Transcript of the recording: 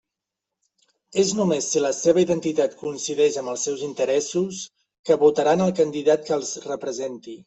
És només si la seva identitat coincideix amb els seus interessos, que votaran el candidat que els representi.